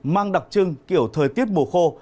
mang đặc trưng kiểu thời tiết mùa khô